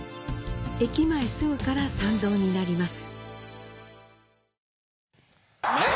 駅前すぐから参道になります。